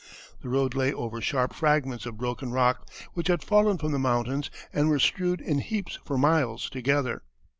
The road lay over sharp fragments of broken rock which had fallen from the mountains and were strewed in heaps for miles together.